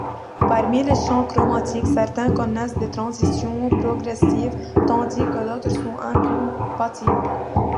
Parmi les champs chromatiques, certains connaissent des transitions progressives, tandis que d'autres sont incompatibles.